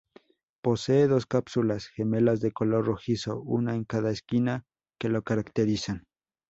Posee dos cúpulas gemelas de color rojizo, una en cada esquina, que lo caracterizan.